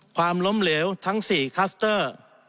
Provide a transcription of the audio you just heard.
ความล้มเหลวทั้ง๔คลัสเตอร์